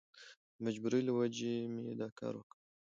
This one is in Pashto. د مجبورۍ له وجهې مې دا کار وکړ.